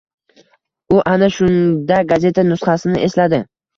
U ana shunda gazeta nusxasini esladi.